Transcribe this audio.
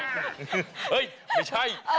เฮ้ยไม่ใช่